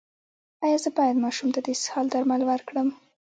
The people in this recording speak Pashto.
ایا زه باید ماشوم ته د اسهال درمل ورکړم؟